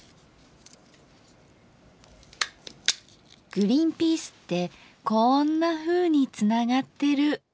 グリンピースってこんなふうにつながってる。